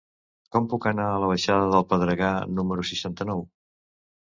Com puc anar a la baixada del Pedregar número seixanta-nou?